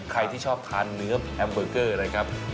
ใครที่ชอบทานเนื้อแอมเบอร์เกอร์นะครับ